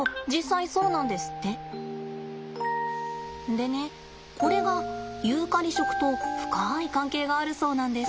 でねこれがユーカリ食と深い関係があるそうなんです。